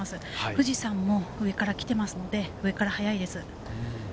富士山も上から来てますので、上から速いです。